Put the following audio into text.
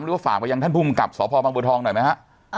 หรือว่าฝากไปยังท่านภูมิกับสพบางบัวทองหน่อยไหมฮะ